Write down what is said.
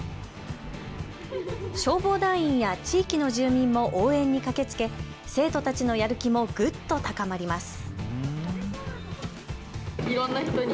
消防団員や地域の住民も応援に駆けつけ生徒たちのやる気もぐっと高まります。